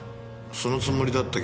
そのつもりだったけど。